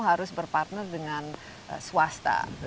harus berpartner dengan swasta